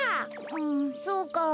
んそうか。